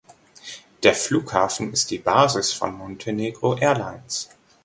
Der Flughafen ist die Basis von Montenegro Airlines.